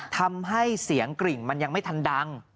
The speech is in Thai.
ทำให้เสียงกริ่งมันยังไม่ทันดัง